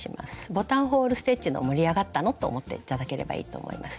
ボタンホール・ステッチの盛り上がったのと思って頂ければいいと思います。